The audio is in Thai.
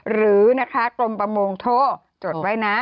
หรือกรมประมวงโทรจดไว้นะ